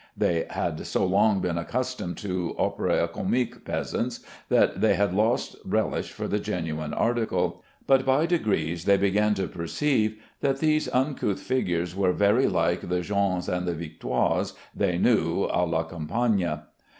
They had so long been accustomed to Opera Comique peasants that they had lost relish for the genuine article; but by degrees they began to perceive that these uncouth figures were very like the Jeannes and the Victoires they knew à la campagne.